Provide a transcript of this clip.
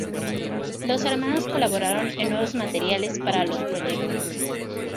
Los hermanos colaboraron en nuevos materiales para los proyectos.